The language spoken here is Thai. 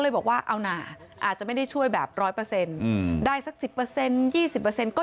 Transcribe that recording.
เลยบอกว่าเอานะอาจจะไม่ได้ช่วยแบบ๑๐๐ได้สัก๑๐๒๐ก็